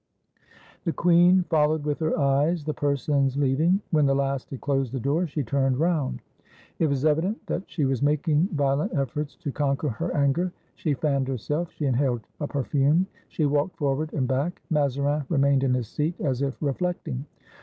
The queen followed with her eyes the persons leaving. When the last had closed the door, she turned round. It 263 FRANCE was evident that she was making violent efforts to con quer her anger; she fanned herself, she inhaled a per fume, she walked forward and back. Mazarin remained in his seat as if reflecting.